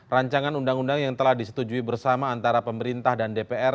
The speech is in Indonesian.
rancangan undang undang yang telah disetujui bersama antara pemerintah dan dpr